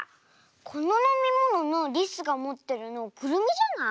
こののみもののりすがもってるのくるみじゃない？